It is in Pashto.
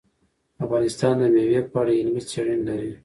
افغانستان د مېوې په اړه علمي څېړنې لري.